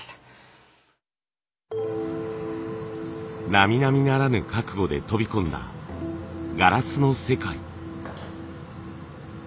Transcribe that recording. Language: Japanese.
なみなみならぬ覚悟で飛び込んだガラスの世界。